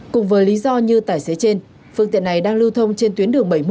cùng với lý do như tải xế trên phương tiện này đang lưu thông trên tuyến đường